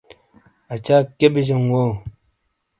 اچاک کیئے بی جاؤں وو؟